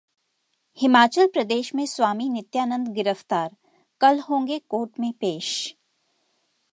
हिमाचल प्रदेश में स्वामी नित्यानंद गिरफ्तार, कल होंगे कोर्ट में पेश